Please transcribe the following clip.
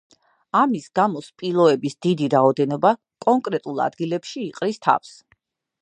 ამის გამო სპილოების დიდი რაოდენობა კონკრეტულ ადგილებში იყრის თავს.